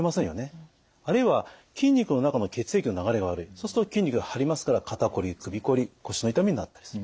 あるいは筋肉の中の血液の流れが悪いそうすると筋肉が張りますから肩こり首こり腰の痛みになったりする。